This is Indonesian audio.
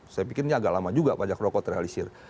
saya pikir ini agak lama juga pajak rokok terrealisir